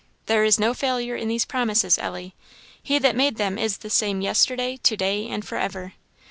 There is no failure in these promises, Ellie; he that made them is the same yesterday, to day, and for ever."